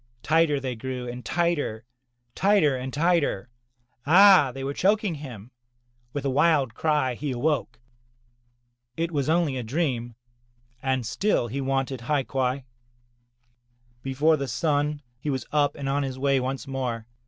Tighter they grew and tighter, tighter and tighter. Ah! they were choking him. With a wild cry, he awoke. It was only a dream, and still he wanted hai quai. Before the sun, he was up and on his way once more.